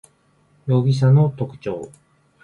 容疑者の特徴